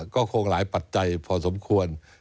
ก็คงหลายปัจจัยพอสมควร